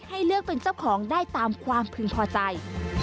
ให้เลือกเป็นเจ้าของได้ตามความพึงพอใจ